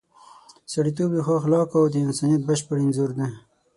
سړیتوب د ښو اخلاقو او د انسانیت بشپړ انځور دی.